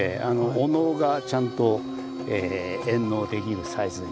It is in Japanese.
お能がちゃんと演能できるサイズに。